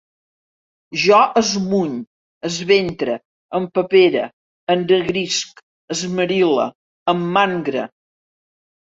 Jo esmuny, esventre, empapere, ennegrisc, esmerile, emmangre